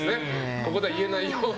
ここでは言えないような。